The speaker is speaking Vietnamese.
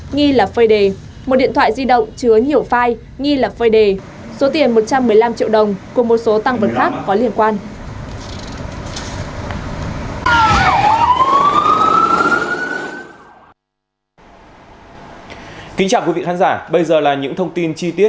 nghi là phơi đề một điện thoại di động chứa nhiều file nghi là phơi đề